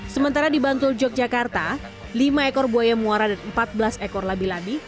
sementara di bantul yogyakarta lima ekor buaya muara dan empat belas ekor labi labi